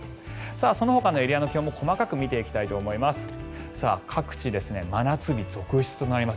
そのほかのエリアの気温も細かく見ていきたいと思います。